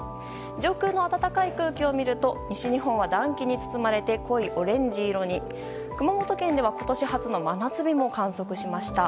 上空の暖かい空気を見ると西日本は暖気に包まれて濃いオレンジ色に熊本県では今年初の真夏日も観測しました。